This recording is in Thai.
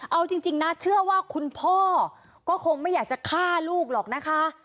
เอาจริงนะเชื่อว่าคุณพ่อก็คงไม่อยากจะฆ่าลูกหรอกนะคะ